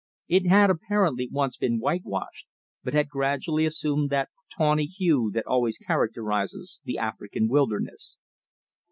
It had apparently once been whitewashed, but had gradually assumed that tawny hue that always characterises the African wilderness.